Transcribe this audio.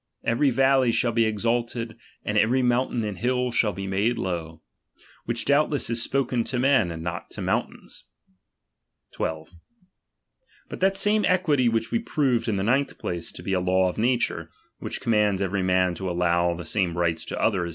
Every valley shall be exalted, and every mountain and hill shall he made low: which doubtless is spoken to men, and not to mountains. LIBERTY. 57 12. But that same equity, which we proved in chap. iv. 'tile ninth place to be a law of nature, which com ^^~^^||^"' xmaiids every man to allow the same rights to others ""i